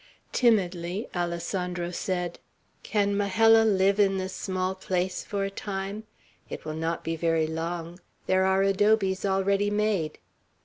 Timidly Alessandro said: "Can Majella live in this small place for a time? It will not be very long; there are adobes already made."